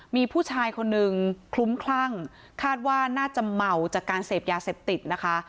มีผู้ชายคนนึงคลุ้มคลั่งคาดว่าน่าจะเมาจากการเสพยาเสพติดนะคะ